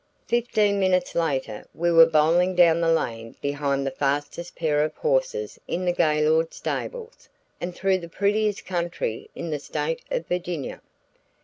Fifteen minutes later we were bowling down the lane behind the fastest pair of horses in the Gaylord stables, and through the prettiest country in the State of Virginia.